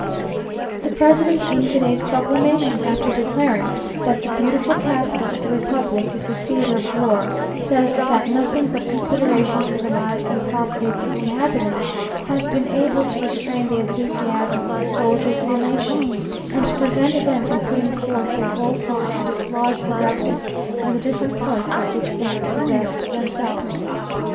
The president in to day's proclamation, after declaring that "the beautiful capital of the republic is the theatre of war," says "that nothing but consideration for the lives and properties of the inhabitants has been able to restrain the enthusiasm of the soldiers of the nation, and to prevent them from putting forth their whole force to dislodge the rebels from the different points of which they have possessed themselves."